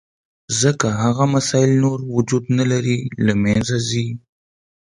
ځکه هغه مسایل نور وجود نه لري، له منځه ځي.